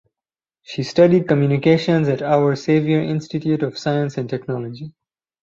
She studied communications at Our Saviour Institute of Science and Technology.